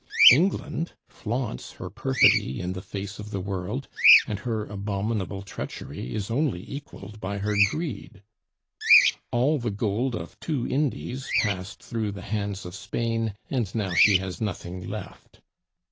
England flaunts her perfidy in the face of the world, and her abominable treachery is only equaled by her greed. All the gold of two Indies passed through the hands of Spain, and now she has nothing left.